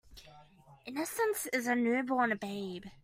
Innocent as a new born babe.